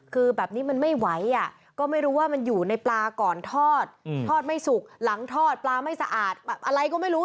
คือแบบนี้มันไม่ไหวอ่ะก็ไม่รู้ว่ามันอยู่ในปลาก่อนทอดทอดไม่สุกหลังทอดปลาไม่สะอาดอะไรก็ไม่รู้